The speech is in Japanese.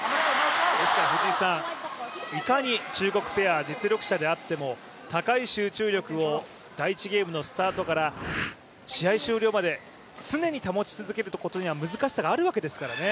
いかに中国ペア、実力者であっても高い集中力を第１ゲームのスタートから試合終了まで常に保ち続けることには難しさがあるわけですからね。